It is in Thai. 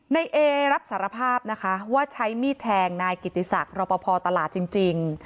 ในเอรับสารภาพนะคะว่าใช้มีดแทงนายกิติศักดิ์รอปภตลาดจริง